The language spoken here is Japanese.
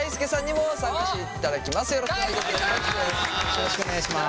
よろしくお願いします。